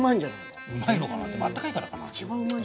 うまいのかなあったかいからかな。